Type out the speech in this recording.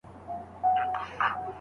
د نبوي حکم مطابق کوم طلاق ثابت سوی دی؟